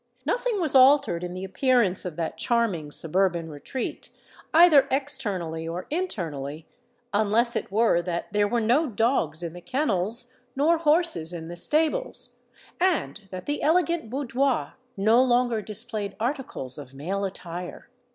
Nothing was altered in the appearance of that charming suburban retreat, either externally or internally,—unless it were that there were no dogs in the kennels nor horses in the stables, and that the elegant boudoir no longer displayed articles of male attire.